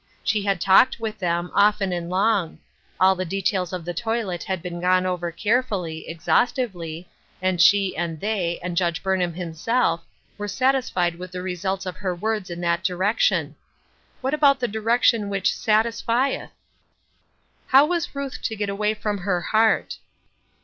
She had talked with them, often and long. All the details of the toilet had been gone over carefully, exhaustively, and she and they, and Judge Burnham himself, were satisfied with the results of her words in that direction. What about the direction which ''satisjieth?'' How was Ruth to get away from her heart